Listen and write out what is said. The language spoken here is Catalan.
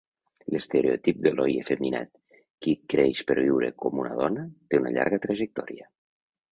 L'estereotip del noi efeminat qui creix per viure com una dona té una llarga trajectòria.